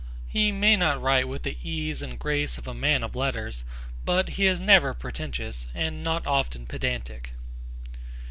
He may not write with the ease and grace of a man of letters, but he is never pretentious and not often pedantic.